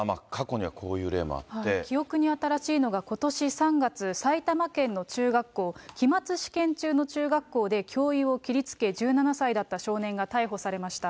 記憶に新しいのがことし３月、埼玉県の中学校、期末試験中の中学校で、教諭を切りつけ１７歳だった少年が逮捕されました。